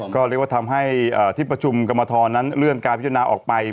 ก็เรียกว่าทำให้ที่ประชุมกรรมทรนั้นเลื่อนการพิจารณาออกไป